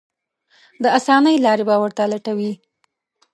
د اسانۍ لارې به ورته لټوي.